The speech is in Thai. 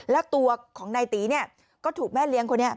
และตัวของนายตี๋ก็ถูกแม่เลี้ยงคนนี้